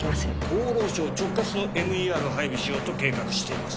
厚労省直轄のＭＥＲを配備しようと計画しています